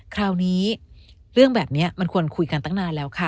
คราวนี้เรื่องแบบนี้มันควรคุยกันตั้งนานแล้วค่ะ